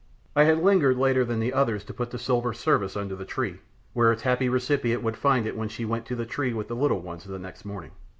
I had lingered later than the others to put the silver service under the tree, where its happy recipient would find it when she went to the tree with the little ones the next morning.